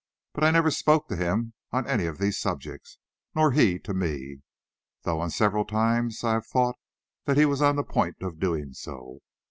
But I never spoke to him on any of these subjects, nor he to me, though several times I have thought he was on the point of doing so.